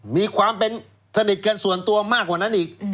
มีความเป็นสนิทกันส่วนตัวมากกว่านั้นอีก